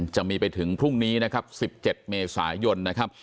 จะมีไปถึงพรุ่งนี้๑๗เมษายน